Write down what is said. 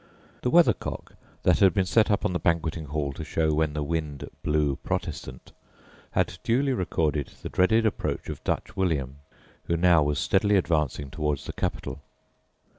The weather cock that had been set up on the banqueting hall to show when the wind "blew Protestant" had duly recorded the dreaded approach of Dutch William, who now was steadily advancing towards the capital.